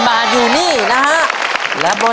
หนึ่งหมื่น